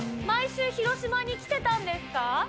毎週、広島に来てたんですか？